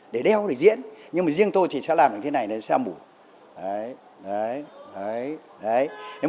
để đeo để diễn nhưng mà riêng tôi thì sẽ làm như thế này sẽ hóa mủ đấy đấy đấy đấy